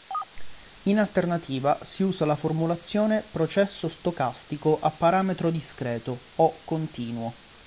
In alternativa si usa la formulazione "processo stocastico a parametro discreto" o "continuo".